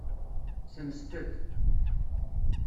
Senset-t.